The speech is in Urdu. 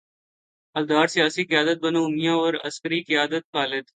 الدار، سیاسی قیادت بنو امیہ اور عسکری قیادت خالد